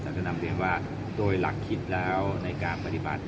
แต่ก็นำเรียนว่าโดยหลักคิดแล้วในการปฏิบัติ